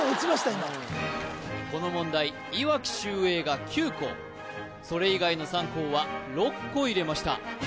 今この問題いわき秀英が９個それ以外の３校は６個入れました